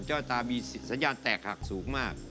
เจ้าชะตามีสัญญาณแตกหักสูงมาก